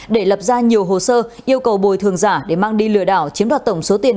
để lập ra nhiều hồ sơ yêu cầu bồi thường giả để mang đi lừa đảo chiếm đoạt tổng số tiền